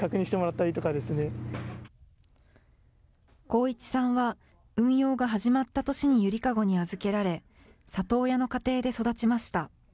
航一さんは、運用が始まった年にゆりかごに預けられ、里親の家庭で育ちました。